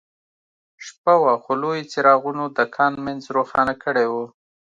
شپه وه خو لویو څراغونو د کان منځ روښانه کړی و